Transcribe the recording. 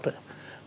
một cái tình hình